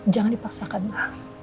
jangan dipaksakan ma